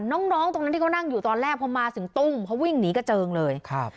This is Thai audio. น้องน้องตรงนั้นที่เขานั่งอยู่ตอนแรกพอมาถึงตุ้มเขาวิ่งหนีกระเจิงเลยครับ